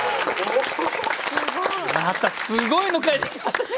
またすごいの書いてきましたね